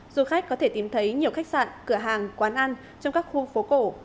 du khách có thể tìm thấy nhiều khách sạn cửa hàng quán ăn trong các khu phố cổ